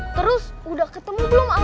terus udah ketemu belum